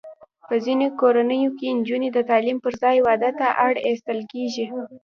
په ځینو کورنیو کې نجونې د تعلیم پر ځای واده ته اړ ایستل کېږي.